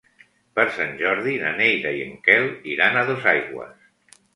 Per Sant Jordi na Neida i en Quel iran a Dosaigües.